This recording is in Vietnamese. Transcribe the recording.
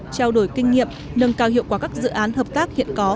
trao đổi kinh nghiệm nâng cao hiệu quả các dự án hợp tác hiện có